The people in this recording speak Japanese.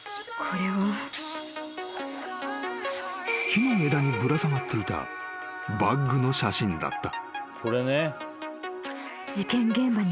［木の枝にぶら下がっていたバッグの写真だった］